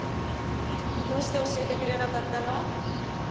どうして教えてくれなかったの？